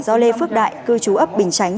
do lê phước đại cư chú ấp bình chánh